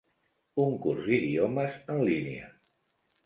Un curs d'idiomes en línia.